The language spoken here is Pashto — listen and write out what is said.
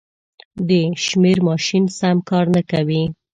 د شمېر ماشین سم کار نه کوي.